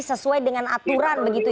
sesuai dengan aturan begitu